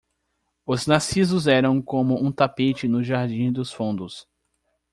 Os narcisos eram como um tapete no jardim dos fundos.